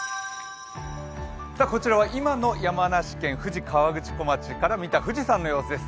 こちらは今の山梨県富士河口湖町から見た富士山の様子です。